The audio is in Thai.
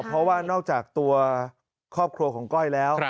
เพราะว่านอกจากตัวครอบครัวของก้อยแล้ว